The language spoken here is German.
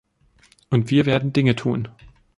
Und wir werden Dinge tun!